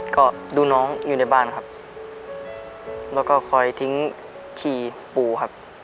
ก็ดูน้องอยู่ในบ้านครับแล้วก็คอยทิ้งขี่ปูครับ